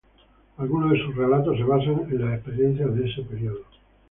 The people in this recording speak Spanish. Algunos de sus relatos se basan en las experiencias de ese período.